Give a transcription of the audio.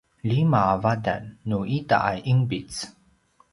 lima a vatan nu ita a ’inpic